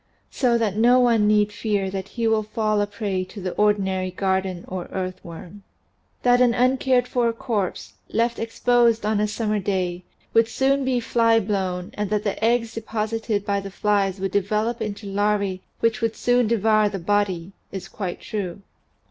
So that no one need fear that he will fall a prey to the ordinary garden or earth worm. That an uncared for corpse, left exposed on a summer day, would soon be flyblown and that the eggs deposited by the flies would develop into larvae which would soon devour the body, is quite true.